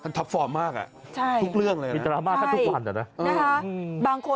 ท่านทัพฟอร์มมากอ่ะทุกเรื่องเลยนะมีตราบ่าท่านทุกวัน